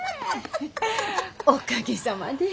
おかげさまで。